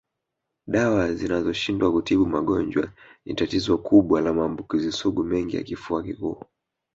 Dawa zinazoshindwa kutibu magonjwa ni tatizo kubwa la maambukizi sugu mengi ya kifua kikuu